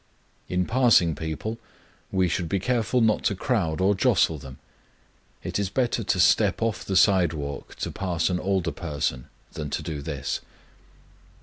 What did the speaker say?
In passing people, we should be careful not to crowd or jostle them; it is better to step off the sidewalk to pass an older person than to do this.